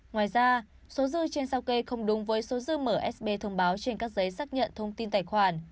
ngoài ra số dư trên sao kê không đúng với số dư thông báo trên các giấy xác nhận thông tin tài khoản